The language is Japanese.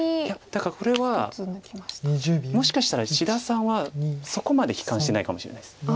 いやだからこれはもしかしたら志田さんはそこまで悲観してないかもしれないです。